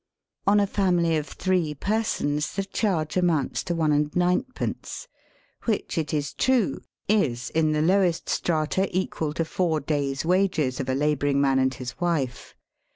On a family of three per sons the charge amounts to Is. 9J, ; which, it is true, is in the lowest strata equal to four days' wages of a labouring man and his wife.